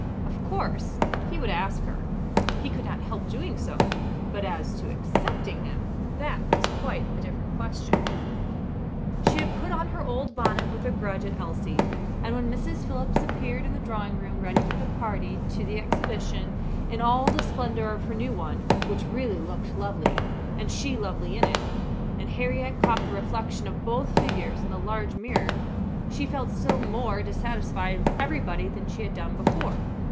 Of course, he would ask her he could not help doing so; but as to accepting him that was quite a different question. She had put on her old bonnet with a grudge at Elsie; and when Mrs. Phillips appeared in the drawing room ready for the party to the exhibition in all the splendour of her new one, which really looked lovely, and she lovely in it, and Harriett caught the reflection of both figures in the large mirror, she felt still more dissatisfied with everybody than she had done before.